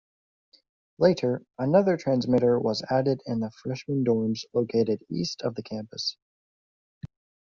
Later, another transmitter was added in the freshman dorms located east of the campus.